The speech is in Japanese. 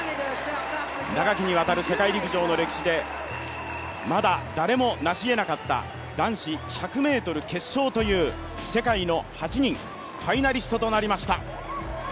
長きにわたる世界陸上の歴史で、まだ誰もなしえなかった男子１００ｍ決勝という世界の８人、ファイナリストとなりました。